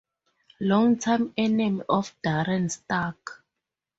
Longtime enemy of Darren Stark.